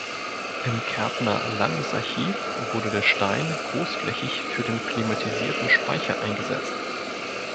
Im Kärntner Landesarchiv wurde der Stein großflächig für den klimatisierten Speicher eingesetzt.